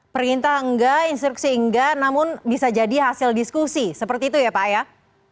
perintah enggak instruksi enggak namun bisa jadi hasil diskusi seperti itu ya pak ya